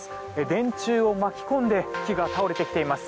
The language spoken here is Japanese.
電柱を巻き込んで木が倒れてきています。